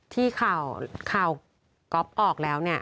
ที่ข่าวก๊อปออกแล้ว